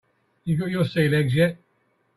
You got your sea legs yet?